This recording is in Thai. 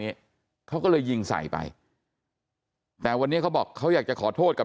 นี้เขาก็เลยยิงใส่ไปแต่วันนี้เขาบอกเขาอยากจะขอโทษกับ